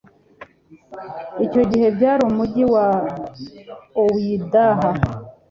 Icyo gihe byari umugi wa Ouidah